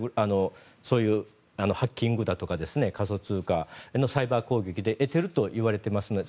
そういうハッキングだとか仮想通貨へのサイバー攻撃で得ているといわれていますので